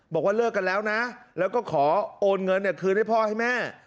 บอกว่าเลิกกันแล้วนะแล้วก็ขอโอนเงินคืนให้พ่อให้แม่